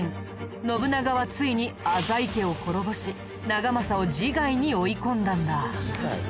信長はついに浅井家を滅ぼし長政を自害に追い込んだんだ。